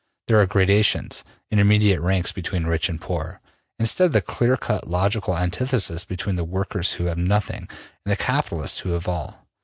There are gradations, intermediate ranks between rich and poor, instead of the clear cut logical antithesis between the workers who have nothing and the capitalists who have all.